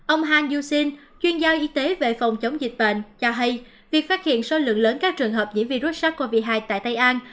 ông han yushin chuyên chuyên gia y tế về phòng chống dịch bệnh cho hay việc phát hiện số lượng lớn các trường hợp nhiễm virus sars cov hai tại tây an